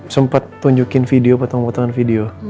sempet tunjukin video potong potongan video